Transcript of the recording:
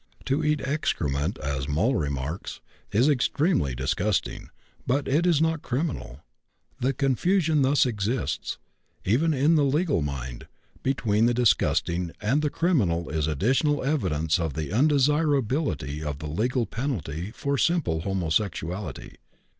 To eat excrement, as Moll remarks, is extremely disgusting, but it is not criminal. The confusion which thus exists, even in the legal mind, between the disgusting and the criminal is additional evidence of the undesirability of the legal penalty for simple homosexuality.